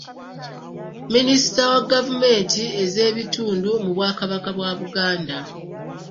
Minisita wa gavumenti ez'ebitundu mu Bwakabaka bwa Buganda